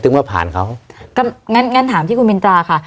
มาผ่านเขาก็งั้นงั้นถามที่คุณมินตราค่ะ